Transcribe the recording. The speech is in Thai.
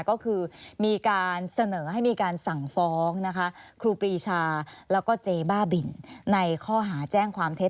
ก็คือมีการเสนอให้มีการสั่งฟ้องนะคะครูปรีชาแล้วก็เจ๊บ้าบินในข้อหาแจ้งความเท็จ